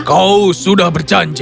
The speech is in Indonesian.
kau sudah berjanji